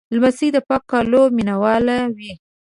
لمسی د پاکو کالیو مینهوال وي.